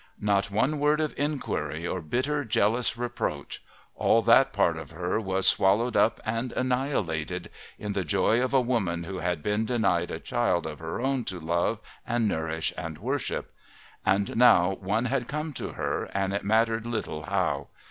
Not one word of inquiry or bitter, jealous reproach all that part of her was swallowed up and annihilated in the joy of a woman who had been denied a child of her own to love and nourish and worship. And now one had come to her and it mattered little how.